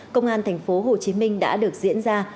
công an tp hcm đã được diễn ra